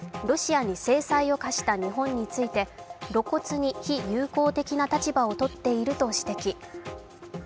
ロシアに制裁を科した日本について露骨に非友好的な立場をとっていると指摘。